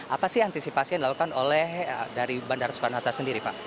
apa sih antisipasi yang dilakukan oleh dari bandara soekarno hatta sendiri pak